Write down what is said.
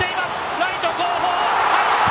ライト後方、入った！